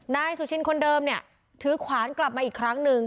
นายสุชินคนเดิมเนี่ยถือขวานกลับมาอีกครั้งหนึ่ง